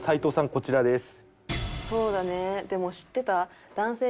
こちらです。